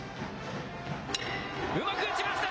うまく打ちました。